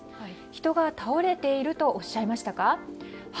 人が倒れているとおっしゃいましたか？